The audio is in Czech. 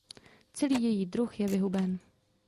Celý její druh je vyhuben.